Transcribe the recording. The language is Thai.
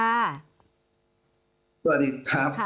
สวัสดีครับ